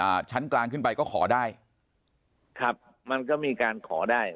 ารอบรกลางขึ้นไปก็ขอได้เขาก็มีการขอได้